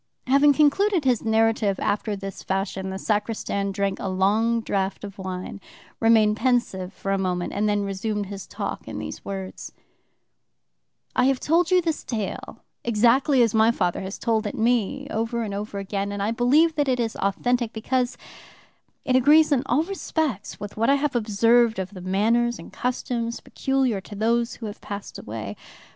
Having concluded his narrative after this fashion, the sacristan drank a long draught of wine, remained pensive for a moment, and then resumed his talk in these words: "I have told you this tale exactly as my father has told it to me over and over again, and I believe that it is authentic, because it agrees in all respects with what I have observed of the manners and customs peculiar to those who have passed away.